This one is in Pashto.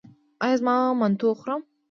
ایا زه منتو وخورم؟